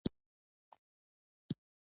• سترګې د نورو خلکو احساسات پېژني.